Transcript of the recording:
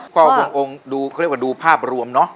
พ่อวงเขาเรียกว่าดูภาพรวมเนอะ